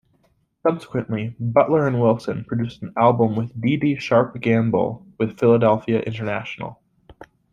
Subsequently, Butler and Wilson produced an album with Dee Dee Sharp-Gamble with Philadelphia International.